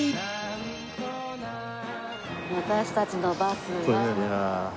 私たちのバスは。